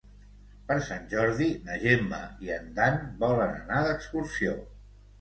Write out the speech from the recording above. Per Sant Jordi na Gemma i en Dan volen anar d'excursió.